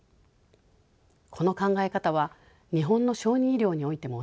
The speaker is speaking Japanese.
この考え方は日本の小児医療においても同じです。